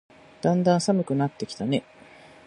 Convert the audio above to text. だんだん寒くなってきたね。